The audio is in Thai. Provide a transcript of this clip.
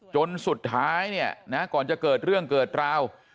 จนสุดท้ายเนี่ยนะก่อนจะเกิดเรื่องเกิดราว